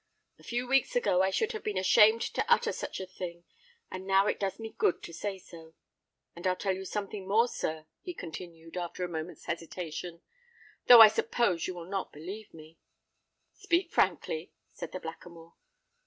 "A few weeks ago I should have been ashamed to utter such a thing; and now it does me good to say so.—And I'll tell you something more, sir," he continued, after a moment's hesitation; "though I suppose you will not believe me——" "Speak frankly," said the Blackamoor.